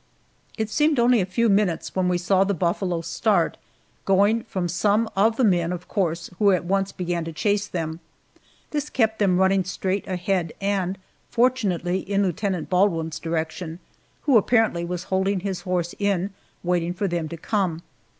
It seemed only a few minutes when we saw the buffalo start, going from some of the men, of course, who at once began to chase them. This kept them running straight ahead, and, fortunately, in Lieutenant Baldwin's direction, who apparently was holding his horse in, waiting for them to come.